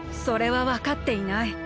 それはわかっていない。